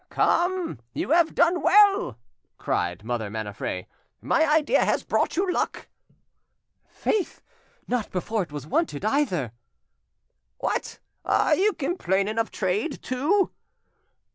"Come, you have done well," cried Mother Maniffret; "my idea has brought you luck." "Faith! not before it was wanted, either!" "What! are you complaining of trade too?"